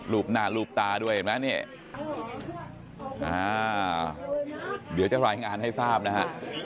รูปหน้ารูปตาด้วยเห็นไหมนี่เดี๋ยวจะรายงานให้ทราบนะฮะ